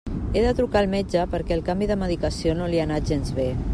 He de trucar al metge perquè el canvi de medicació no li ha anat gens bé.